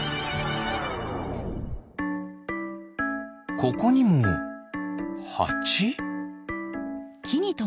ここにもハチ？